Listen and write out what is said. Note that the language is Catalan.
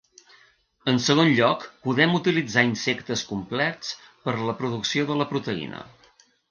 En segon lloc podem utilitzar insectes complets per a la producció de la proteïna.